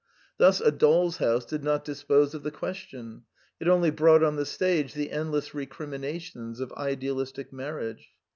Thus A Doll's House did not dispose of the question: it only brought on the stage the endless recrimina tions of idealistic marriage.